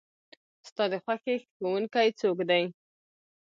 ستا د خوښې ښوونکي څوک دی؟